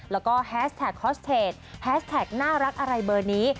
แล้วก็แฮสแท็กฮอสเทจแฮสแท็กน่ารักอะไรเบอร์นี้